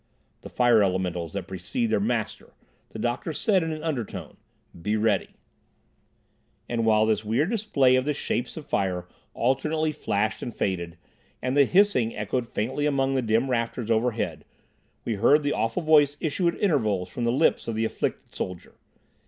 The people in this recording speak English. "The fire elementals that precede their master," the doctor said in an undertone. "Be ready." And while this weird display of the shapes of fire alternately flashed and faded, and the hissing echoed faintly among the dim rafters overhead, we heard the awful voice issue at intervals from the lips of the afflicted soldier.